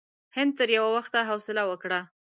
هغه تر یوه وخته حوصله وکړه.